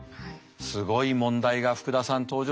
すごい問題が福田さん登場しましたよこれ。